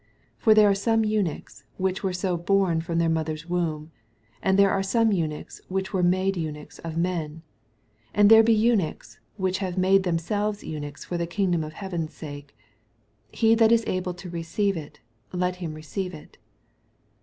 12 For there are some ennuchs, wiiioh were so bom from ^A«ir mother's womb : and there are some eunnchs which were made eunuchs of men : and there be eunuchs, which have made themselves eunuchs for the kingdom of heaven's sake. He that is able to receive U, let him receive it.